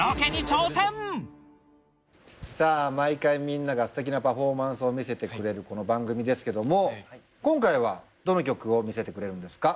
さぁ毎回みんながステキなパフォーマンスを見せてくれるこの番組ですけども今回はどの曲を見せてくれるんですか？